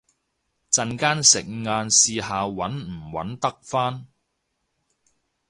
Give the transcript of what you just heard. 陣間食晏試下搵唔搵得返